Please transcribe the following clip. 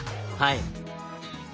はい。